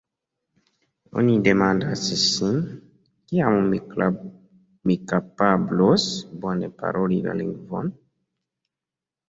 Oni demandas sin: “Kiam mi kapablos bone paroli la lingvon?